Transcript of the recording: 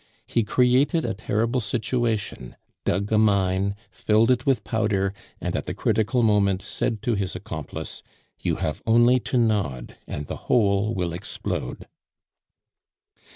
He created a terrible situation, dug a mine, filled it with powder, and at the critical moment said to his accomplice, "You have only to nod, and the whole will explode!"